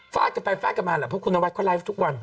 ฟาดกันไปฟาดกันมาแล้วเพราะคุณนวัดก็ไลฟ์ทุกวัน